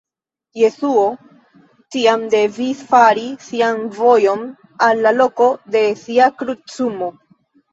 Jesuo tiam devis fari sian vojon al la loko de sia krucumo.